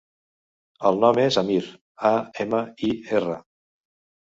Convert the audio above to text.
El nom és Amir: a, ema, i, erra.